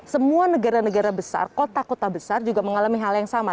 semua negara negara besar kota kota besar juga mengalami hal yang sama